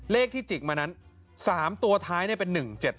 เลขที่จิกมานั้น๓ตัวท้ายเป็น๑๗๗